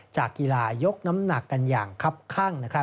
จากกีฬายกน้ำหนักกันอย่างคับข้าง